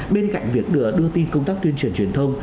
bên cạnh việc đưa tin công tác tuyên truyền truyền thông